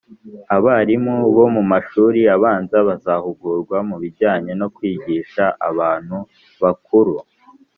abarimu bo mu mashuri abanza bazahugurwa mu bijyanye no kwigisha abantu bakuru.